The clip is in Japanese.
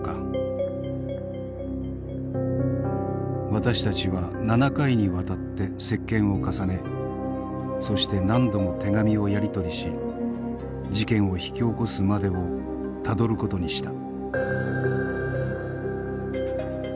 私たちは７回にわたって接見を重ねそして何度も手紙をやり取りし事件を引き起こすまでをたどることにした。